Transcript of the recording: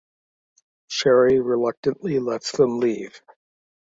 Sherry reluctantly lets them leave.